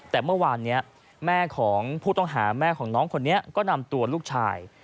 แต่เมื่อวานนี้แม่ของผู้ต้องหาแม่ของน้องคนนี้ก็นำตัวลูกชาย